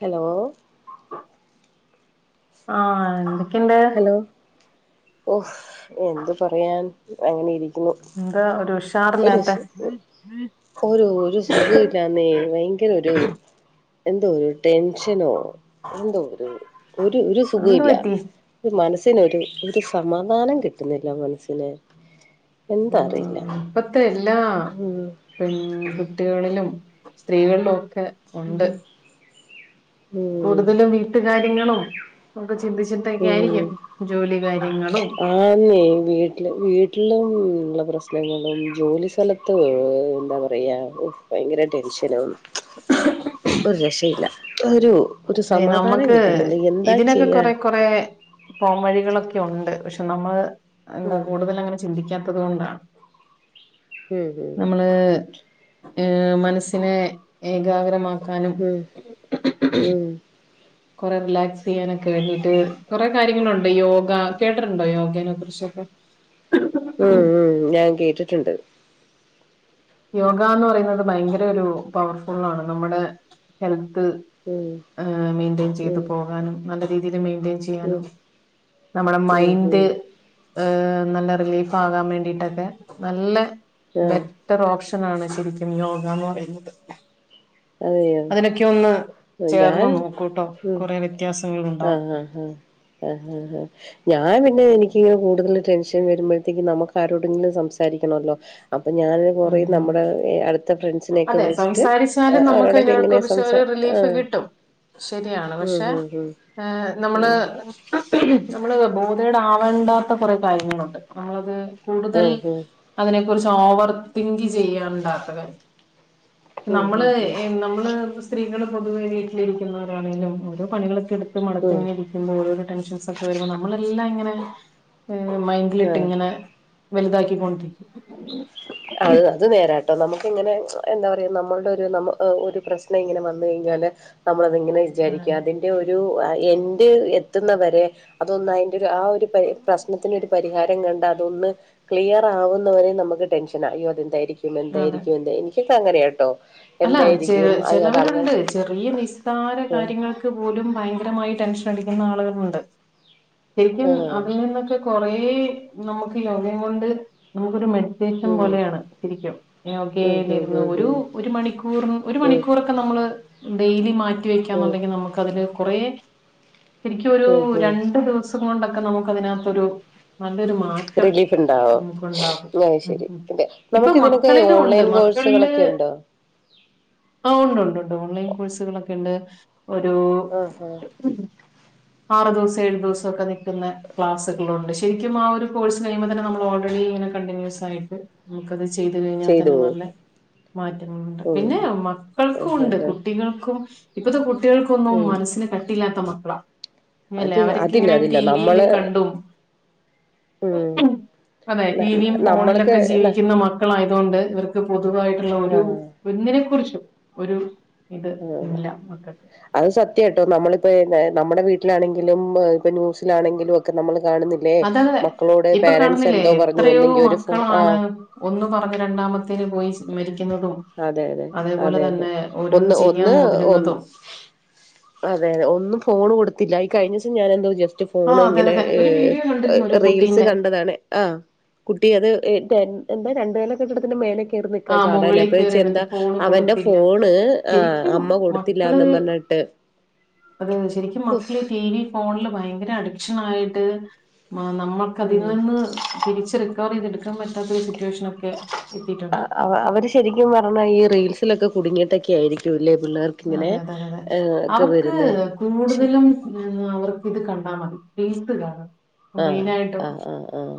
Hello ആഹ് എന്തൊക്കെണ്ട് hello ഒഫ് എന്ത് പറയാൻ അങ്ങനെ ഇരിക്കുന്നു എന്താ ഒരു ഒരു ഉഷാറില്ലാത്ത സു ഒരു ഒരു സുഖുല്ലാ [unintelligible] ഭയങ്കര ഒരു എന്തോ ഒരു ടെൻഷനോ എന്തോ ഒരു ഒരു ഒരു എന്ത് സുഖുല്ല പറ്റി ഒരു മനസ്സിനൊരു ഒരു സമാധാനം കിട്ടുന്നില്ല മനസ്സിന് എന്താ അറിയില്ല ഉം ഇപ്പത്തെ എല്ലാ മ് പെൺകുട്ടികളിലും സ്ത്രീകളിലും ഒക്കെ ഉണ്ട് ഉം ഉം കൂടുതലും വീട്ടുകാര്യങ്ങളും ക്കെ ചിന്തിച്ചിട്ടൊക്കെ ഉം ആയിരിക്കും ജോലി കാര്യങ്ങളും ആന്നേ വീട്ടിൽ വീട്ടിലും ഉള്ള പ്രശ്നങ്ങളും ജോലി സ്ഥലത്ത് എന്താ പറയാ ഭയങ്കര ടെൻഷനും [inaudible] ഒരു രക്ഷയില്ല ഒരു ഒരു സമാധാനം നമ്മക്ക് കിട്ടുന്നില്ല എന്താ ഇതിനൊക്കെ ചെയ്യാ കൊറെ കൊറെ പോം വഴികളൊക്കെ ഉണ്ട് പക്ഷെ നമ്മള് എന്താ ഉം കൂടുതൽ അങ്ങനെ ചിന്തിക്കാത്തത് കൊണ്ടാ ഉം നമ്മള് ഏ മനസ്സിനെ ഏകാഗ്രമാക്കാനും ഉം ഉം ഉം കുറെ റിലാക്സ് ചെയ്യാനൊക്കെ വേണ്ടിട്ട് കുറെ കാര്യങ്ങളുണ്ട് യോഗ കേട്ടിട്ടുണ്ടോ യോഗേനെ കുറിച്ചൊക്കെ മം മം ഞാൻ കേട്ടിട്ടുണ്ട് യോഗ എന്ന് പറയുന്നത് ഭയങ്കര ഒരു പവർഫുള്ളാണ് നമ്മുടെ ഹെൽത്ത് ഉം മെയിറ്റയെൻ ചെയ്ത് ഉം പോകാനും നല്ല രീതിയിൽ മെയിറ്റിയൻ ചെ ഉം യ്യാനും നമ്മടെ ഉം മൈന്ഡ് ഉം നല്ല റിലീഫ് ആകാൻ വേണ്ടിട്ടൊക്കെ നല്ല ആഹ് ബറ്റർ ഓപ്ഷൻ ആണ് ശരിക്കും യോഗ എന്ന് പറയുന്നത്. അതെയോ അതിനൊക്കെ ഒന്ന് ഞാൻ ചേർന്ന് നോക്കൂട്ടോ ഉം കുറെ വ്യത്യാസങ്ങള് ഉണ്ടാവും. ആഹ് ആഹ് ആഹ് ആഹ് ഞാൻ പിന്നെ എനിക്കിങ്ങനെ കൂടുതൽ ടെൻഷൻ വരുമ്പോഴത്തേക്കും നമക്ക് ആരോടെങ്കിലും സംസാരിക്കണല്ലോ അപ്പോ ഞാൻ ഏറേം ഉണ്ടാവും നമ്മടെ അടുത്ത ഫ്രണ്ട്സിനെയൊക്കെ വിളിച്ചിട്ട് ആ, എന്നാലും അവരോടൊക്കെ നമുക്ക്തിനെ എങ്ങനെ കുറച്ച് സംസാ ഒരു റിലീഫ് ആഹ് കിട്ടും ശരിയാണ് ഉം പക്ഷെ ഉം ഉം ഹെ നമ്മളെ ഉം നമ്മള് ബോധയുടെ ആവേണ്ടാത്ത കുറെ കാര്യങ്ങളുണ്ട് നമ്മളത് കൂടുതൽ ഉം ഉം അതിനെ കുറിച്ച് ഓവർ തിങ്ക് ചെയ്യാൻ ണ്ടാത്ത കാര്യം ഉം നമ്മള് ഉം നമ്മള് സ്ത്രീകൾ പൊതുവെ വീട്ടിലിരിക്കുന്നവരാണങ്കിലും ഓരോ പണികള്ക്കെടുത്ത് മടത്ത് ഉം ഇങ്ങനെ രി ഓരോരോ ടെൻഷൻസ് ഒക്കെ വരുമ്പോ നമ്മളെല്ലം അങ്ങനെ മൈൻഡിലിട്ട് ഉം ഇങ്ങനെ വലുതാക്കിക്കൊണ്ടിരിക്കും. അത് അത് നേരാ നമുക്കിങ്ങനെ എന്താ പറയ നമ്മളുടെ ഒരു നമ്മ ഒരു പ്രശ്നം ഇങ്ങനെ വന്നു കഴിഞ്ഞാൽ നമ്മളത്ങ്ങനെ വിചാരിക്കാതെ അതെ അതിന്റെ ഒരു എന്റെ എത്തുന്നവരെ അതൊന്ന് അതിന്റെ ആ ഒര് പ്രശ്നത്തിന് ഒരു പരിഹാരം കണ്ട അതൊന്ന് ക്ലിയർ ആവുന്നവരെ നമുക്ക് ടെൻഷൻ അയ്യോ അതെന്തായിരിക്കും അതെ എന്തായിരിക്കും എന്ത എനിക്കൊ അങ്ങനെയട്ടോ അല്ല ചെ ചിലവരുണ്ട് ചെറിയ നിസ്സാര ആഹ് കാര്യങ്ങൾ ക്ക് ഭയങ്കരമായി ടെൻഷൻ അടിക്കുന്ന ആളുകളുണ്ട് ശരിക്കും ആഹ് അതിൽ നിന്നൊ കുറ നമുക്ക് യോഗം കൊണ്ട് നമുക്കൊരു മെ ഡിറ്റേറിയൻ പോലെയാണ് ഉം ഉം ഉം ശരിക്കുംകന്ന് ഉം ഒരു ഉം ഒരു മണിക്കൂർ ഒരു ഉം മണിക്കൂറക്കെ നമ്മള് ഡെയിലി മാറ്റി ഉം വെക്കാന്നുണ്ടെങ്കിൽ നമുക്ക് അതില് കുറ ശരിക്കും ഒരു ഉം ഉം രണ്ടു ദിവസം കൊണ്ടൊക്കെ നമുക്ക് അതിനകത്തൊരു റിലീഫ് ഉണ്ടാവോ നമുക്കുണ്ടാകും അ ഉം ശരിെ ഉം. ഇപ്പൊ നമക്ക് ഇതിനൊക്കെ മക്കളിലും ഉണ്ട് ഓൺലൈൻ കോഴ് ബസൊക്കെളെണ്ടോ ആഹ് ഉണ്ട് ഉണ്ട്ണ്ട് ഓൺലൈൻ കോഴ്സുകളൊക്കെ ഉണ്ട് ഒരു ആഹ് ആഹ് ആറ് ദിവസം ഏഴു ദിവസം ഒക്കെ നിൽക്കുന്ന ക്ലാസുകളുണ്ട് ശരിക്കും ആ ഒരു കോഴ്സ് കഴിയുമ്പോൾ തന്ന നമ്മ ഓൾറെഡി ഇങ്ങനെ കണ്ടിന്യൂസ് ആയിട്ട് നമുക്കത് ചെയ്ത് കഴിഞ്ഞാൽ ചെയ്തോ തന്നെ നല്ല മാറ്റങ്ങളുണ്ട് ഉം പിന്നെ മക്കൾക്ക ആഹ് ഉണ്ട് ആഹ് ആഹ് കു ട്ടികൾക്കും ഇപ്പത്തെ കുട്ടികൾക്കൊന്നും ഉം മനസ്സിന് കട്ടില്ലാത്ത മക്കളാ അല്ലേ അത് അവർക്ക അതില്ല ഇങ്ങനെ അതില്ല ടിവിൽ നമ്മള് കണ്ടും ഉം അതെ ന ടിവും നമ്മൾക്ക് ഫോണിലൊക്കെ ന ജീവിക്കുന്ന മക്ക മക്കളായതുകൊണ്ട് ഇവർക്ക് പൊതുവായിട്ടുള്ള ഒരു ആഹ് ഒന്നിനെ കുറിച്ചും ഒരു ഇത് ആഹ് ഇല്ല മക്കൾക്ക് അത് സത്യ കേട്ടോ നമ്മളിപ്പോ നമ്മുടെ വീട്ടിലാണെങ്കിലും ഇപ്പൊ ന്യൂസിലാണെങ്കിലും ഒക്കെ നമ്മൾ കാണുന്നി ല്ലെ അതതെ മക്കളോട് ഇപ്പൊ പോരൻറ്സ് കാണുന്നില്ലേ എന്തോ പറഞ്ഞു എത്രയോ ഒന്നെങ്കിൽ ഒരു ഫോ ആ മക്കളാണ് ഒന്ന് പറഞ്ഞ് രണ്ടാമത്തിേൽ പോയി മരിക്കുന്നതും അതെ അതെ അതേപോലെ അതെ അതെ തന്നെ ഓരോന്ന് ഒന്ന് ചെയ്യാൻ ഒന്ന് മുതിരുന്നതും അതെ അതെ ഒന്നും ഫോൺ കൊടുത്തില്ല ഈ കഴിഞ്ഞ ദിവം ഞാനെ എന്തോ ജസ്റ്റ് ആ ഫോണ് അതെ ഇങ്ങനെ അതെ ഒരു വീഡിയോ കണ്ടിരുന്നു ഒരു റീൽസ് കുട്ടീന്റെ കണ്ടതാണ് ആഹ് കുട്ടി അത് എന്താ രണ്ട് നില കെട്ടിടത്തിന്റെ മേലേക് ആ ചാടാന മുകളിൽ അപ്പ ഞ കയറി ചോയ്ച്ച് എന്താ എന്നിട്ട് ഫോണ് അവന്റെ കൊടുത്തില്ല ഫോണ് ആ ശരിക്കും അമ്മ മക്കള് കൊടുത്തില്ലാന്നും പറഞ്ഞ് ണ്ട് അത് ശരിക്കും മക്കള് ടി വി ഫോണില് ഭയങ്കര അഡിക്ഷൻ ആയിട്ട് നമ്മൾക്കതിൽ ഉം നിന്ന് തിരിച്ച് റിക്കവർ ചെയ്തെടുക്കാൻ പറ്റാത്ത ഒരു സിറ്റുവേഷൻ ഒക്കെ എത്തിയിട്ടുണ്ട് അവ അവര് ശരിക്കും പറഞ്ഞാ ഈ റീൽസിലൊക്കെ കുടുങ്ങിയിട്ടൊക്കെ ആയിരിക്കും ഇല്ലേ പിള്ളേർക്ക് ഇങ്ങനെ അതെ അതെതെ അതെ ഏഹ് ഒക്കെ അവർക്ക് വരുന്നേ പക്ഷെ കൂടുതലും അവർക്ക് ഇത് കണ്ടാ മതി [unintelligible] കാണും ആഹ് മെയിനായിട്ടും ആഹ് ആഹ് ആഹ്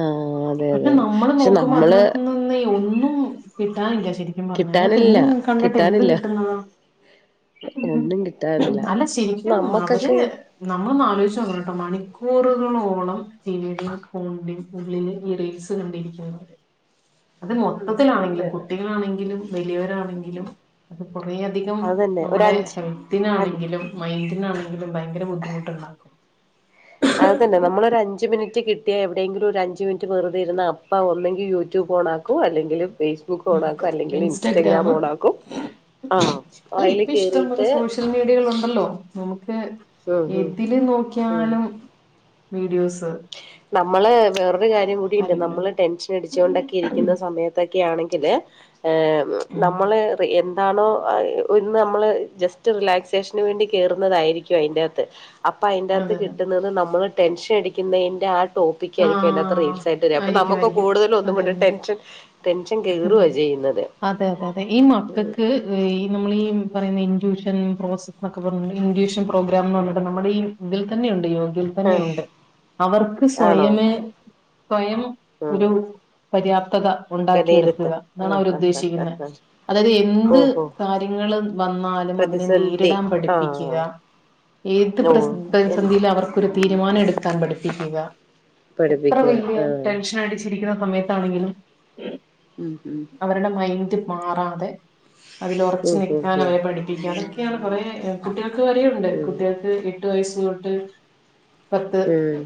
ആഹ് അതെ അതെ പക്ഷെ അതെ നമ്മള് പക്ഷെ നോക്കുമ്പോ നമ്മള് അതിനകത്ത്നിന്നെ ഒന്നും കിട്ടാനില്ല ശരിക്ക്‌ പറഞ്ഞ അതിനകത്ത് കിട്ടാനില്ല എന്ത് കണ്ടിട്ട് എന്ത് കിട്ടാനില്ല കിട്ടുന്നത ഉം ഒന്നും കിട്ടാനില്ല അല്ല പക്ഷെ ശരിക്കും അവര് നമ്മക്കൊക്കെ നമ്മൾ ഒന്ന് ആലോചിച്ച് നോക്കണം കേട്ടോ മണിക്കൂറുകളോളം ടി വി ടെയും ഫോണിന്റെയും ഉള്ളില് ഈ റീൽസ് കണ്ടിരിക്കുന്നത് അത് ഉം അത് മൊത്തത്തിലാണെങ്കിലും നേരാ കുട്ടികളാണെങ്കിലും വലിയവരാണെങ്കിലും അത് കുറേയധികം അതന്നെ ഒരു നമ്മുടെ അഞ്ച് അ ഹെൽത്തിനാണെങ്കിലും മൈന്റിനാണെങ്കിലും ഭയങ്കര ബുദ്ധിമുട്ടുണ്ടാക്കും അത് തന്നെ നമ്മളൊരു അഞ്ച് മിനിറ്റ് കിട്ടിയാ എവിടെയങ്കിലും ഒരു അഞ്ച് മിനിറ്റ് വെറുതെയിരുന്ന അപ്പ ഒന്നെങ്കി യൂട്യൂബ് ഓണാക്കു ക്കുവോ അല്ലെങ്കില് ഫേസ്ബുക്ക് ഓൺ ആക്കും അല്ലെങ്കിൽ ഇൻസ്റ്റഗ്രാം ഓൺ ആക്കും ആഹ് അല്ലെ അയില് ഇപ്പ ഇഷ്ടംപോലെ കേറിയിട്ട് സോഷ്യൽ മീഡിയകളുണ്ടല്ലോ നമുക്ക് ഉം ഉം എതില് ഉം നോക്കിയാലും വീഡിയോസ് നമ്മള് വേറൊരു കാര്യം കൂടിയുണ്ട് കാര്യങ്ങള് നമ്മള് ടെൻഷൻ അടിച്ചുകൊണ്ടൊക്കെ ഇരിക്കുന്ന സമയത് ത്തൊക്കെ ആണെങ്കില് ഉം നമ്മള് റി എൻ എന്താണോ ഇന്ന് നമ്മള് ജസ്റ്റ് റിലാക്സേഷന് വേണ്ടി കേറുന്നതായിരിക്കും അയിന്റകത്ത് അപ്പ അയിന്റാത്ത് അതെ അതെ കിട്ടുന്നത് നമ്മൾ ടെൻഷടിക്കുന്നെന്റ ആ ടോപ്പിക്കായിരിക്കും അയിനാത്ത് ആഹ് റീൽസായിട്ട് വരിക അപ്പൊ ആയിരിക്കും നമുക്ക് ആയിരിക്കും കൂടുതലും ഒന്നും അതെ കൂടെ അതെ ടെൻഷൻ ടെൻഷൻ കേറുവ ചെയ്യുന്നത് അതെ അതെ അതെ ഈ മക്കക്ക് ഈ നമ്മള ഈ പറയുന്ന ഇൻട്യൂഷൻ പ്രോസസ്സ് എന്നൊക്കെ പറഞ്ഞി ഇൻട്യൂഷൻ പ്രോഗ്രാം എന്ന് പറഞ്ഞിട്ട് നമ്മുടെ ഈ ഇതിൽ തന്നെയുണ്ട് യോഗയിൽ ആഹ് തന്നെയുണ്ട് അവർക്ക് സ് ആണോ സ്വയവും ഒരു ആഹ് പര്യാപ്തത ഉണ്ടാക്കിയെടുക്കുക വിലയിരുത്തൽ എന്നാണ് ആഹ് അവരു ആഹ് ആഹ് ഉദ്ദേശിക്കുന്നെ ആഹ് ആഹ് അതായത് എന്ത് ഓഹോ കാര്യങ്ങള് വന്നാലും അതിനെ പ്രതിസന്ധി നേരിടാം പഠിപ്പിക്കുക ആഹ് ഏത് പ്ര ഓ പ്രതിസന്ധിയിലും അവർക്കൊരു തീരുമാനം എടുക്കാൻ പഠിപ്പിക്കുക എത്ര പഠിപ്പിക്കുക വല്യ ആഹ് ടെൻഷൻ അടിച്ചി രിക്കുന്ന സമയത്താണെങ്കിലും ഉം ഉം അവരുടെ മൈൻഡ് മാറാതെ അതില് ഉറച്ച് ഉം ഉം നിൽക്കാൻ ഉം അവരെ പഠിപ്പിക്കുക അതൊക്കെയാണ് കുറെ കുട്ടികൾക്ക് വരെണ്ട് ഉം കുട്ടികൾക്ക് എ എട്ട് വയസ്സ് തൊട്ട് പത്ത് ഉം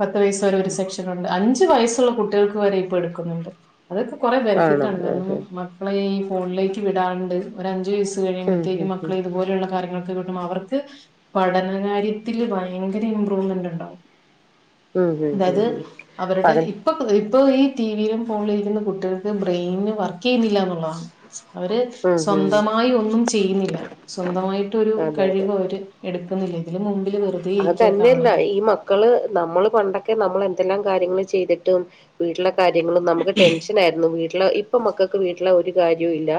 പത്ത് വയസ്സ് വരെ ഒരു സെക്ഷനുണ്ട് അഞ്ചു വയസ്സുള്ള കുട്ടികൾക്ക് വരെ ഇപ്പൊ എടുക്കുന്നുണ്ട് അതൊക്കെ കൊറെ ആണോ ബെനിഫിറ്റാണ് കാരണം ഉം മക്കളെ ഈ ഫോണിലേക്ക് വിടാണ്ട് ഒരഞ്ച്‌ വയസ് ഉം കഴിയുമ്പത്തേക്കും ഉം ഉം മക്കളെ ഇതുപലെയുള്ള കാര്യങ്ങൾ [unintelligible] അവർക്ക് പഠനകാര്യത്തില് ഭയങ്കര ഇമ്പ്രൂവ്മെന്റ് ഉണ്ടാവും ഉം ഉം ഉം ഉം അതായത് ഉം അവരുടെ അതെ ഇ ഇപ്പോൾ ഈ ടി വിയിലും ഫോൺലിരുന്ന് കുട്ടികൾക്ക് ബ്രെയിന് വർക്കെയ്യുന്നില്ലാന്നൊ ള്ള താണ് അവര് ഉം ഉം സ്വന്തമായി ഒന്നും ചെയ്യുന്നില്ല സ്വന്തമായിട്ടൊരു അതെ അതെ കഴിവ് അവര് എടുക്കുന്നില്ല ഇതില് മുമ്പില് വെറു അത് തന്നെയല്ല ഈ മക്കള് നമ്മള് പണ്ടൊക്കെ നമ്മള് എന്തെല്ലാം കാര്യങ്ങൾ ചെയ്തിട്ടും വീട്ടിലെ കാര്യങ്ങളും നമുക്ക് ടെൻഷൻ ആയിരുന്നു വീട്ടിലെ ഇപ്പൊ മക്കൾക്ക് വീട്ടില ഒരു കാര്യവും ഇല്ല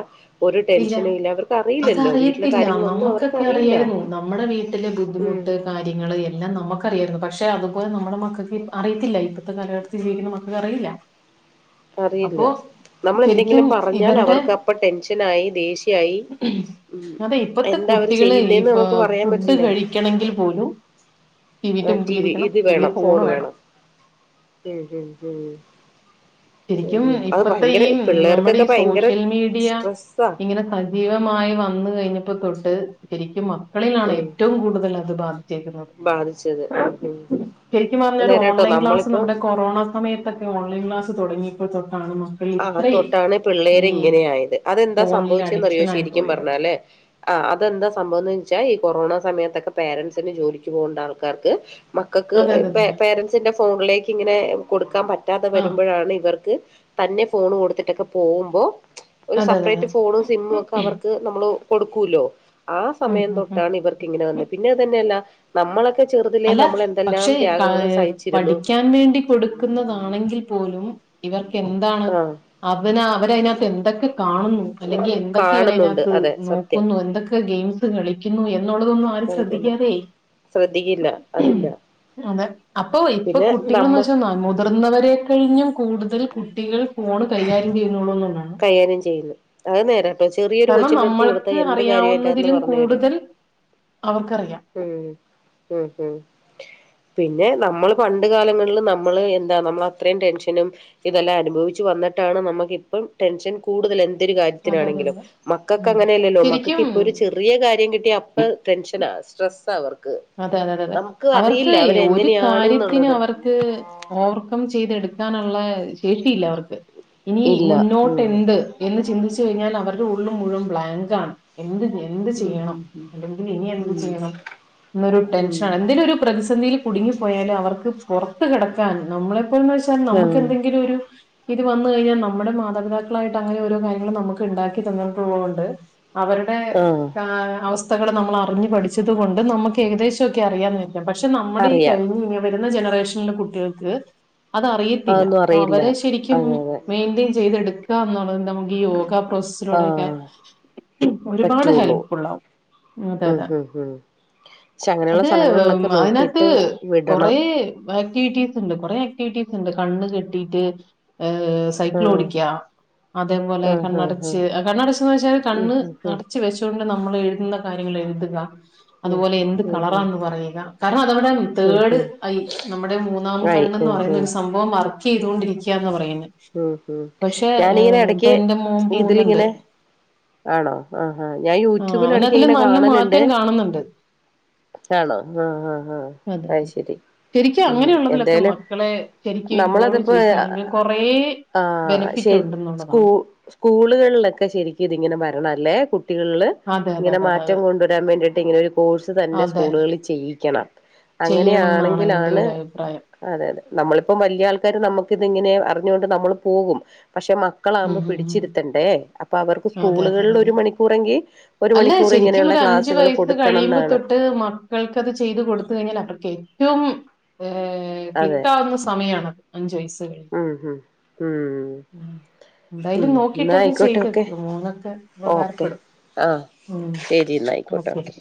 ഒരു ഇല്ല ടെൻഷനും അവർക്ക് അറിയില്ലല്ലോ വീട്ടിലെ അതറിയത്തില്ല കാര്യങ്ങളൊന്നും അവർക്ക് നമ്മുക്കൊക്കെ അറിയില്ല അറിയായിരുന്നു നമ്മുടെ വീട്ടിലെ ഉം ബുദ്ധിമുട്ട് കാര്യങ്ങൾ എല്ലാം നമുക്കറിയായിരുന്നു പക്ഷേ അതുപോലെ നമ്മുടെ മക്കൾക്ക് അറിയത്തില്ല ഇപ്പോഴത്തെ കാലഘട്ടത്തിൽ ജീവിക്കുന്ന മക്കക്ക് അറിയില്ല. അറിയില്ല, അപ്പോ നമ്മൾ ശരിക്കും എന്തെങ്കിലും പറഞ്ഞാൽ ഇവരുടെ അവർക്ക് അപ്പ ടെൻഷനായി ദേശീ യായി അതെ ഇപ്പത്തെ എന്താ അവര് ചെയ്യുന്നെന്ന് നമുക്ക് പറയാൻ പറ്റില്ല കെണെങ്കിൽ പോലും ആ ടിവിന്റെ ടി വി മുമ്പിലിരിക്കണം, ഇത് ഇല്ലേ വേണം ഫോൺ ഫോണ് വേണം ഉം ഉം ഉം ശരിക്കും അയ്യോ അത് ഇപ്പത്തെ ഭയങ്കര ഈ നമ്മുടെ പിള്ളേർകെക്കെ ഈ ഭയങ്കര സോഷ്യൽ മീഡിയ സ്ട്രെസ്സാ ഇങ്ങനെ സജീവമായി വന്ന കഴിഞ്ഞപ്പോ തൊട്ട് ശരിക്കും മക്കളിലാണ് ഉം ഏറ്റവും കൂടുതൽ അത് ബാധ ചെക്കുന്നത് ബാധിച്ചത് ഉം ഉം ശരിക്കും പറഞ്ഞാല് അന്നേരാട്ടോ ഓൺലൈൻ ക്ലാസ്സ് നമ്മളിപ്പം നമ്മടെ കൊറോണ സമയതക്കെ ഓൺലൈൻ ക്ലാസ് തുടങ്ങീപ്പോ തൊട്ടാണ് മ ആ തൊട്ടാണ് പിള്ളേര് ഇങ്ങനെയായത് അതെന്താ ഫോണിൽ സംഭവിച്ചെന്നറിയോ അഡിക്ഷൻ ആയി ശരിക്കും പോയത് പറഞ്ഞാല് ആ അതെന്താ സംഭവംന്ന് വെച്ചാൽ ഈ കൊറോണ സമയത്തൊക്കെ പേരൻസിന് ജോലിക്ക് പോകണ്ട ആൾക്കാർക്ക് മക്കക്ക് അതെ അതെ പേ അതെ പേരൻസിന്റെ ഫോണിലേക്ക് ഇങ്ങനെ കൊടുക്കാൻ പറ്റാതെ ആ വരുമ്പഴാണ് ഇവർക്ക് തന്നെ ഫോണു കൊടുത്തിട്ടൊക്കെ പോകുമ്പോ ഒരു അതെ അതെ അതെ സപ്റേറ്റ് ഫോണും സിമ്മും ഒക്കെ അവർക്ക് നമ്മള് കൊടുക്കൂലോ ആ ഉം, സമയം ഉം, ഉം. തൊട്ടാണ് ഇവർക്ക് ഇങ്ങനെ വന്നെ പിന്നെ അത് തന്നെയല്ല നമ്മളെക്കെ ചെറുതിലെ അല്ല നമ്മളെന്തെല്ലാം ത്യാഗങ്ങള് സഹിച്ചിരുന്നു ഞാൻ വേണ്ടി കൊടുക്കുന്നതാണെങ്കിൽ പോലും ഇവർക്കെന്താണ്? ആ അവന അവര അയിനാത്ത് എന്തൊക്കെ കാണുന്നു അല്ലെങ്കി എന്തൊക്കെ കാണുന്നുണ്ട് അവരയിനാത്ത് അതെ സത്യം നോക്കുന്നു എന്തൊക്കെ ഗെയിംസ് കളിക്കുന്നു എന്നുള്ളതൊന്നും ആരും കാണിക്കുന്നു ശ്രദ്ധിക്കാതെ ശ്രദ്ധിക്കില്ല അതില്ല അതെ അപ്പൊ ഇപ്പൊ പിന്നെ നമ്മ കുട്ടികളെന്ന് വെച്ച നാമ മുതിർന്നവരെ കഴിഞ്ഞും കൂടുതൽ കുട്ടികൾ ഫോണ് കൈകാര്യം ചെയ്യുന്നുള്ളൂന്നുണ്ടാണ് കൈകാര്യം ചെയ്യുന്നു അത് നേരാട്ടോ ചെറിയൊരു കാരണം കൊച്ചിന്റെ അടുത്ത് നമ്മൾ കൊടുത്താ ക്ക് എന്ത് കാര്യവും അതിന്റകത്ത്ന്ന് അറിയാവുന്നതിലും പറഞ്ഞു തരും കൂടുതൽ അവർക്കറിയാം ഉം ഉം ഉം പിന്നെ നമ്മള് പണ്ട് കാലങ്ങളിൽ നമ്മള് എന്താ നമ്മളത്രയും ടെൻഷനും ഇതെല്ലാം അനുഭവിച്ചു വന്നിട്ടാണ് നമ്മക്കിപ്പം ടെൻഷൻ കൂടുതല് എൻ ന്തെര് അതെ അതെ കാര്യത്തിനാണെങ്കിലും അതെ മക്കക്ക് ഉം അങ്ങനെയല്ലല്ലോ ശരിക്കും മക്കക്കിപ്പൊര് ചെറ് റിയ കാര്യം കിട്ടിയ അപ്പ ടെൻഷനാ സ്ട്രെസാവർ അതെ അതെ അതെ അതെ അവർക്ക് ഒരു കാര്യത്തിന് അവരെങ്ങനെയാണ്ന്നുള്ളത് അവർ ക്ക് ഓവർകം ചെയ്തെടുക്കാനള്ള ശേഷിയില്ല അവർക്ക്. ഇനി ഇല്ല ഉം മുന്നോട്ടെന്ത് എന്ന് ചിന്തിച്ച് കഴിഞ്ഞാൽ അവർടെ ഉള്ള് മുഴുവൻ ബ്ലാങ്കാണ്. എന്ത് എന്ത് ഉം ചെയ്യണം ഉം അല്ലെങ്കിൽ ഇനി എന്ത് ഉം ഉം ചെയ്യണം ന്നൊരു ഉം ടെൻഷനണ് എന്തിനൊര് പ്രതിസന്ധിയിൽ കുടുങ്ങിപ്പോയാല് അവർക്ക് പൊറത്ത് കെടക്കാൻ നമ്മളെപ്പോൽന്നെൽ [unintelligible] ആഹ് നമ്മക്കെന്തെങ്കിലും ഒരു ഇത് വന്ന് കഴിഞ്ഞാ നമ്മടെ മാതാപിതാക്കളായിട്ട് അങ്ങനെ ഓരോ കാര്യങ്ങളും നമ്മക്ക്ണ്ടാക്കി തന്നിട്ടുള്ളോണ്ട് അവരടെ ആഹ് കാ അവസ്ഥകള് നമ്മൾ അറിഞ്ഞു പഠിച്ചത് കൊണ്ട് നമ്മക്കേകദേശൊക്കെ അറിയാഞ്ഞ് പക്ഷെ നമ്മടെ ഈ അറിയാം കഴിഞ്ഞ് വരുന്ന ജനറേഷനിലെ കുട്ടികക്ക് അതറിയ ത്തില്ല അതൊന്നും അറിയില്ല പ്പവരെ ശെരിക്കും അതെ അതെ മെയ്ന്റേൻ ചെയ്‌തെട്ക്കാന്നൊള്ളത് [unintelligible] ഈ യോഗ പ്രോസസിലൂടെയക്കെ ആഹ് ഒരുപാട് പറ്റുള്ളൂ ഹെൽപ് ഫുള്ളാവും. ഉം ഉം ഉം പക്ഷെ അങ്ങനെയുള്ള അത് സ്ഥലങ്ങളിലൊക്കെ മതിനാത്ത് നോക്കിട്ട് വിടണം കൊറെ ആക്ടിവിറ്റീസ്ണ്ട് കൊറെ ആക്ടിവിറ്റീസ്ണ്ട് കണ്ണ് കെട്ടിട്ട് ഏഹ് ആഹ് സൈക്കിളോടിക്ക അതേപോലെ ആഹ് ആഹ് കണ്ണടച്ച് കണ്ണടച്ച്ന്നെച്ചാൽ ഉം കണ്ണ് ഉം ഉം അടച്ച് ത്തി വെശൊണ്ട് നമ്മളെഴുതുന്ന കാര്യങ്ങളെഴുത്ക ഉം അതുപോലെ എന്ത്‌ ഉം ഉം കളറാന്ന് പറയ്ക കാരണതവടെ ഉം തേഡ് ഉം ഐ നമ്മടെ മൂന്നാം ആയി കണ്ണ്ന്ന് ഉം ഉം പറയുന്നരു സം ഭവം വർക്കെയ്തോണ്ടിരിക്കാന്ന പറയുന്നെ. ഉം ഉം ഞാനിങ്ങനെ എടക്ക് എന്റെ മോൻ പോകുന്നുണ്ട് ഇതിലിങ്ങനെ ആണോ ആ ആ ഞാൻ ആ അവനതില് യൂട്യൂബിലെടക്കിങ്ങനെ നല്ല കാണല്ണ്ട് മാറ്റം കാണുന്നുണ്ട് ആണോ ആഹ് ആഹ് ആഹ് അത് അതെതെതെ ശരി ശെരിക്കു ഉം അങ്ങനെയുള്ളതിലൊക്കെ എന്തായാലും മക്കളെ ശെരിക്ക് ഇൻവോൾവ് നമ്മളതിപ്പോ ചെയ്യിക്കയാണെങ്കിൽ കൊ കൊറേ ആഹ് ശെരി സ്കൂ കൂള്കള്ലെക്കെ ശെരിക്കുതിങ്ങനെ വരണെല്ലേ കുട്ടികള്ല്? അതെ, അതെ, ഇങ്ങനെ അതെ, അതെ, മാറ്റം അതെ. കൊണ്ടു വരാൻ വേണ്ടിട്ട് ഇങ്ങനൊരു കോഴ്സ് തന്നെ അതെ. സ്കൂളുകള്ല് ചെയ്യിക്കണം. ചെയ്യണം എന്നാണ് എന്റെ അങ്ങനെയാണെങ്കിലാണ് ഒരു അഭിപ്രായം. അതെ അതെ നമ്മളിപ്പം വല്ല്യ ആൾക്കാര് നമ്മക്കിതിങ്ങനെ അറിഞ്ഞുകൊണ്ട് നമ്മള് പോവും പക്ഷെ മ ഉം, ക്കളാമ്പം ഉം, ഉം. പിടിച്ചിരുത്തെണ്ടേ. അപ്പവർക്കു അതെ, അതെ, അതെ, സ്കൂളുകള്ലൊരു അതെ. മണിക്കൂറെങ്കി ഒരു മണിക്കൂറിങ്ങനെയൊള്ള ക്ലാസ് ഞ്ച് വയസ്സ് കഴിയുമ്പ തൊട്ട് മ ക്കൾക്കത് ചെയ്ത് കൊടുത്ത് കഴിഞ്ഞാൽ അവർക്കേറ്റോം ഏഹ് അതെ ക്ലിക്കാവുന്ന സമയാണത് അഞ്ചു വയസ് കഴിഞ്ഞ് ഉം ഉം ഉം ഉം ഉം എന്തായാലും എന്നാ നോക്കിട്ടെക്ക് ആയിക്കോട്ടെ ഓക്കെ ചെയ്തേക്ക് മോനെക്കെ ഓക്കെ ഉപകാരപ്പെടും. ആ ഉം. ശെരിന്നായിക്കോട്ടെ ഓക്കെ.